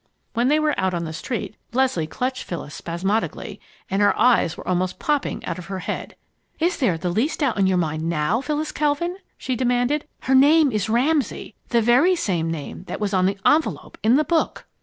When they were out on the street, Leslie clutched Phyllis spasmodically and her eyes were almost popping out of her head. "Is there the least doubt in your mind now, Phyllis Kelvin?" she demanded. "Her name is Ramsay the very same name that was on the envelop in the book!"